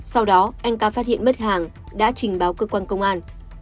sau đó anh ca phát hiện mất hàng đã trình báo cơ quan công an